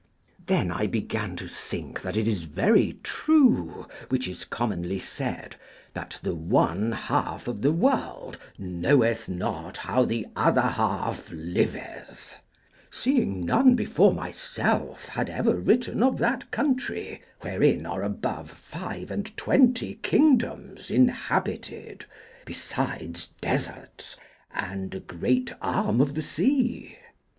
Then I began to think that it is very true which is commonly said, that the one half of the world knoweth not how the other half liveth; seeing none before myself had ever written of that country, wherein are above five and twenty kingdoms inhabited, besides deserts, and a great arm of the sea.